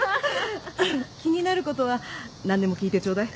気になることは何でも聞いてちょうだい。